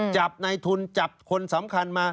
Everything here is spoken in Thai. จับในทุนจับคนสำคัญมา